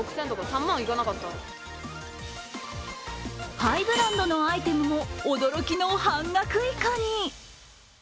ハイブランドのアイテムも驚きの半額以下に。